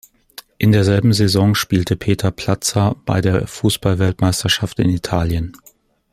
In derselben Saison spielte Peter Platzer bei der Fußballweltmeisterschaft in Italien.